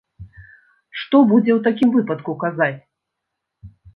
Што будзе ў такім выпадку казаць?